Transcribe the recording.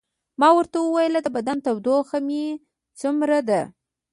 ما ورته وویل: د بدن تودوخه مې څومره ده؟